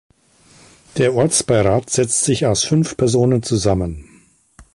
Der Ortsbeirat setzt sich aus fünf Personen zusammen.